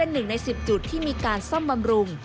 หนึ่งใน๑๐จุดที่มีการซ่อมบำรุง